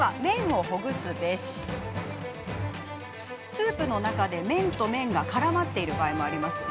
スープの中で麺と麺が絡まっている場合も。